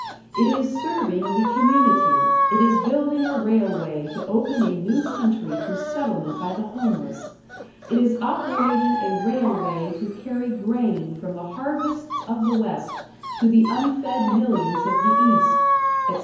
"It is serving the community; it is building a railway to open a new country to settlement by the homeless; it is operating a railway to carry grain from the harvests of the West to the unfed millions of the East," etc.